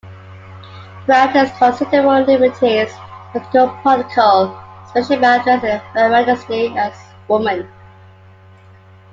Brown takes considerable liberties with court protocol, especially by addressing Her Majesty as "woman".